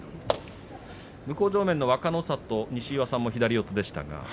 向正面の西岩さんも左四つでした。